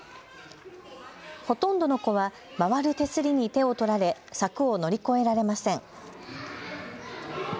ほとんどの子は回る手すりに手を取られ柵を乗り越えられません。